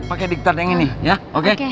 pakai diktar yang ini ya oke